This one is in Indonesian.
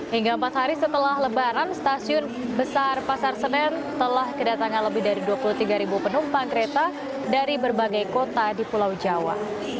hingga empat hari setelah lebaran stasiun besar pasar senen telah kedatangan lebih dari dua puluh tiga penumpang kereta dari berbagai kota di pulau jawa